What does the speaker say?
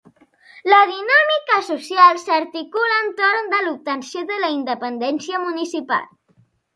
La dinàmica social s'articula entorn de l'obtenció de la independència municipal.